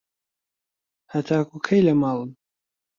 هەتاکوو کەی لە ماڵن؟